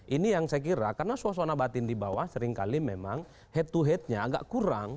ini yang saya kira karena suasana batin di bawah seringkali memang head to headnya agak kurang